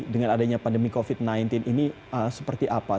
dengan adanya pandemi covid sembilan belas ini seperti apa